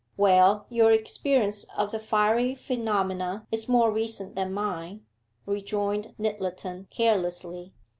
'Well, your experience of the fiery phenomenon is more recent than mine,' rejoined Nyttleton carelessly.